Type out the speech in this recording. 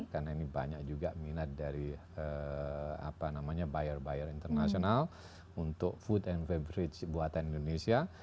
karena ini banyak juga minat dari apa namanya buyer buyer internasional untuk food and beverage buatan indonesia